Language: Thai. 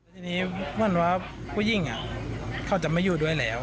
ทีนี้เหมือนว่าผู้หญิงเขาจะไม่อยู่ด้วยแล้ว